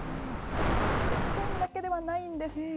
そして、スペインだけではないんです。